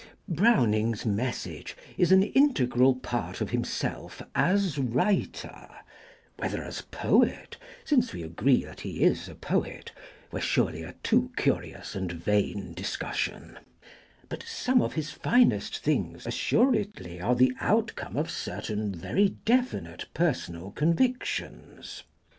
'Browning's message is an integral part of himself as writer; (whether as poet, since we agree that he is a poet, were surely a too curious and vain discussion;) but some of his finest things assuredly are the outcome of certain very definite personal convictions.